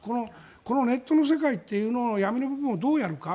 このネットの世界という闇の部分をどうやるか。